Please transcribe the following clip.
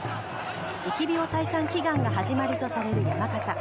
疫病退散祈願が始まりとされる山笠。